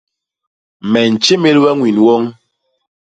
Me ntjémél we ñwin woñ.